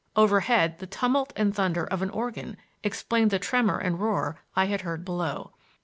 Overhead the tumult and thunder of an organ explained the tremor and roar I had heard below.